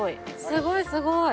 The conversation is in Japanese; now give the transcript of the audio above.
すごいすごい！